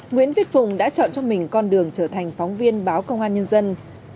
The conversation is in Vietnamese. nguyễn viết phùng đã chọn cho mình con đường trở thành phóng viên báo công an nhân dân